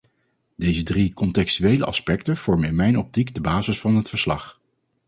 Deze drie contextuele aspecten vormen in mijn optiek de basis van het verslag.